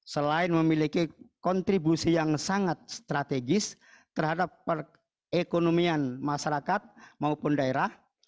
selain memiliki kontribusi yang sangat strategis terhadap perekonomian masyarakat maupun daerah